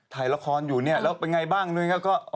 ถ่ายละครอยู่แล้วเป็นอย่างไรบ้าง